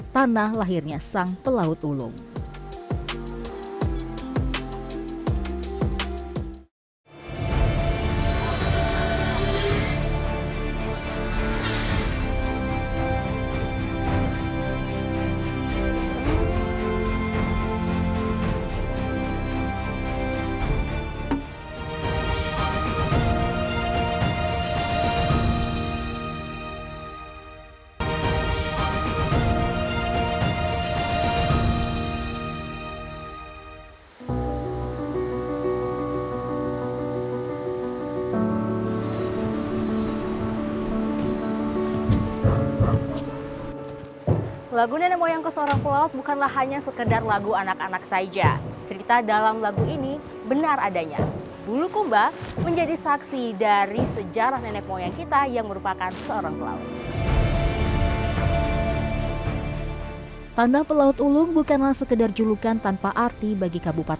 tanah lahirnya sang pelaut ulung